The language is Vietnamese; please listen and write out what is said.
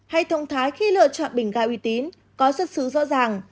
hay thông thái khi lựa chọn bình ga uy tín có xuất xứ rõ ràng